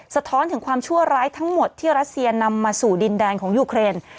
สะท้อนถึงความชั่วร้ายทั้งหมดที่รัสเซียนำมาสู่ดินแดนของยูเครน